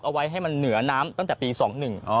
เอาไว้ให้มันเหนือน้ำตั้งแต่ปีสองหนึ่ง